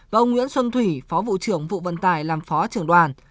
và ông nguyễn xuân thủy phó vụ trưởng vụ vận tải làm phó trưởng đoàn